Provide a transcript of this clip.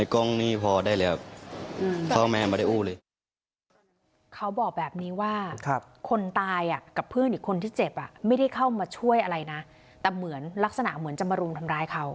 เขาบอกแบบนี้ว่าคนตายกับเพื่อนอีกคนที่เจ็บอ่ะไม่ได้เข้ามาช่วยอะไรนะแต่เหมือนลักษณะเหมือนจะมารุมทำร้ายเขา